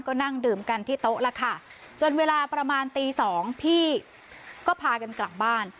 ก็นั่งดื่มกันที่โต๊ะแล้วค่ะจนเวลาประมาณตีสองพี่ก็พากันกลับบ้าน